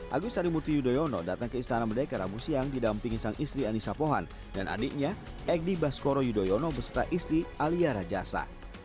agus harimurti yudhoyono datang ke istana merdeka rabu siang didampingi sang istri anissa pohan dan adiknya egy baskoro yudhoyono beserta istri alia rajasa